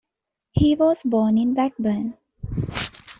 He was born in Blackburn.